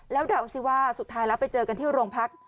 แล้วเดาสิว่าสุดท้ายแล้วไปเจอกันที่โรงพัก